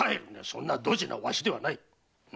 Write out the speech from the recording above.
そんなドジなわしではない。